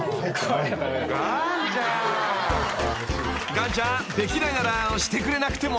［岩ちゃんできないならしてくれなくても］